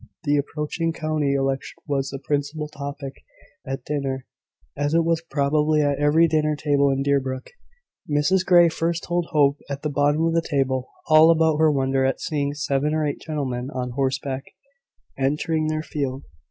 The approaching county election was the principal topic at dinner, as it was probably at every dinner table in Deerbrook. Mrs Grey first told Hope, at the bottom of the table, all about her wonder at seeing seven or eight gentlemen on horseback entering their field.